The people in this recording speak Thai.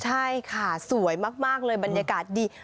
ใช่ค่ะสวยมากเลยบรรยากาศดี